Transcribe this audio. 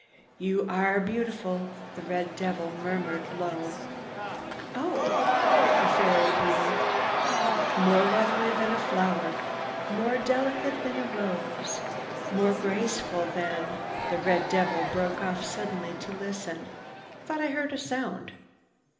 "You are beautiful," the red devil murmured low. "Oh!" the fairy breathed. "More lovely than a flower, more delicate than a rose, more graceful than—" The red devil broke off suddenly to listen. "Thought I heard a sound."